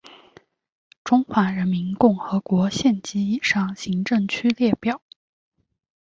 中华人民共和国县级以上行政区列表